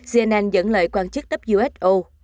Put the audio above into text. cnn dẫn lời quan chức who